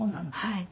はい。